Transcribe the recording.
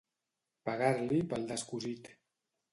Pegar-li pel descosit.